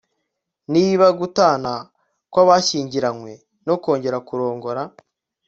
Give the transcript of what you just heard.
niba gutana kw'abashyingiranywe no kongera kurongora